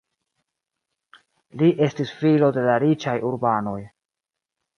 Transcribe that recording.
Li estis filo de la riĉaj urbanoj.